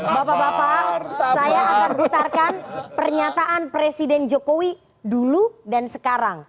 bapak bapak saya akan putarkan pernyataan presiden jokowi dulu dan sekarang